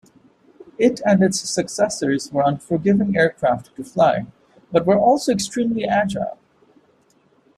It and its successors were unforgiving aircraft to fly, but were also extremely agile.